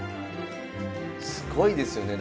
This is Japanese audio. すごいですよね。